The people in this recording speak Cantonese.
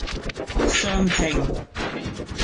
雙拼